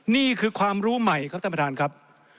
นี่คือความรู้ใหม่ครับท่านประธานครับ